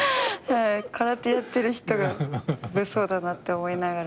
空手やってる人が物騒だなって思いながら。